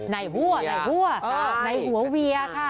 ในหัวในหัวเวียค่ะ